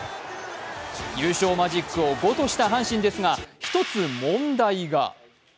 優勝マジックを５とした阪神ですが、一つ問題が。